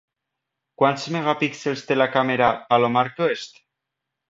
Quants megapíxels té la càmera Palomar Quest?